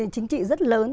chính trị rất lớn